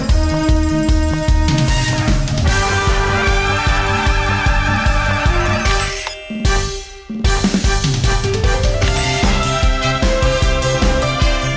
เกดกังวลใส่เดอะ